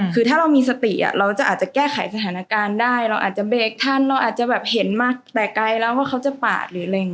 คือถ้าเรามีสติเราอาจจะแก้ไขสถานการณ์ได้เราอาจจะเบรกทันเราอาจจะเห็นมากแต่ไกลแล้วว่าเขาจะปาด